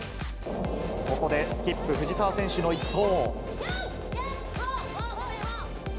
ここでスキップ、藤澤選手の１投。